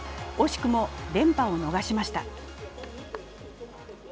惜しくも連覇を逃しました。